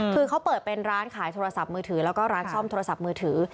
คือเขาเปิดเป็นร้านขายโทรศัพท์มือถือแล้วก็ร้านซ่อมโทรศัพท์มือถือ